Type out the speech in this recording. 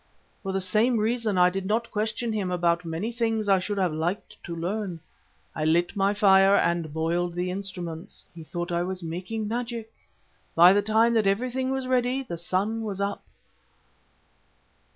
For the same reason I did not question him about many things I should have liked to learn. I lit my fire and boiled the instruments he thought I was making magic. By the time that everything was ready the sun was up.